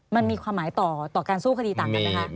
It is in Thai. มันมีความหมายต่อการสู้คดีต่างกันไหมคะ